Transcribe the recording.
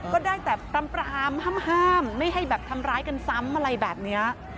ก็ได้แต่ปรามห้ามไม่ให้แบบทำร้ายกันซ้ำอะไรแบบนี้